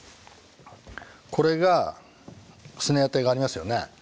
これが脛当がありますよね。